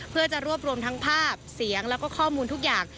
เพื่อจะรวบรวมทั้งภาพเสียงแล้วก็ข้อมูลทุกอย่าง